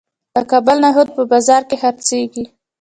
د کابل نخود په بازار کې خرڅیږي.